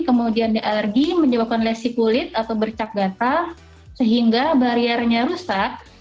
kemudian alergi menyebabkan lesi kulit atau bercak gatal sehingga bariernya rusak